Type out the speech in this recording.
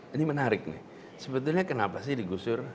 ini menarik nih sebetulnya kenapa sih digusur